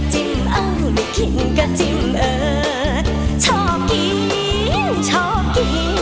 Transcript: ชอบกินชอบกิน